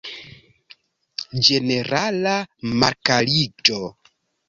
Ĝenerala malkariĝo.